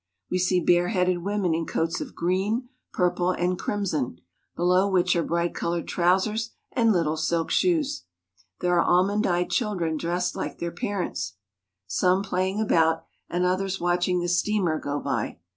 We see bareheaded women in coats of green, purple, and crimson, below which are bright colored trousers and little silk shoe^. There are almond eyed children dressed like their parents, GENERAL VIEW II/ some playing about, and others watching the steamer go by.